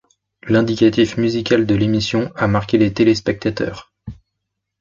L'indicatif musical de l'émission a marqué les téléspectateurs.